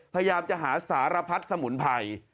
พยายามจะหาสารพัดสมุนไพร